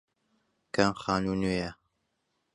کام خانوو نوێیە؟